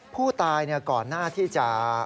ผู้ตายก่อนหน้าที่จะ